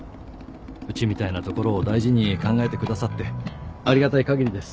うちみたいな所を大事に考えてくださってありがたいかぎりです。